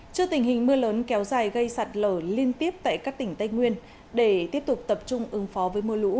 trước tình hình mưa lớn kéo dài gây sạt lở liên tiếp tại các tỉnh tây nguyên để tiếp tục tập trung ứng phó với mưa lũ